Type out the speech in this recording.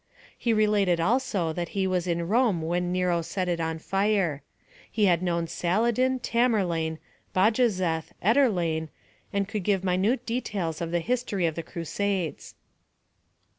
He related also that he was in Rome when Nero set it on fire; he had known Saladin, Tamerlane, Bajazeth, Eterlane, and could give minute details of the history of the Crusades.